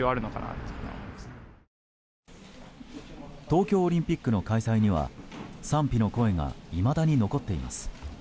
東京オリンピックの開催には賛否の声がいまだに残っています。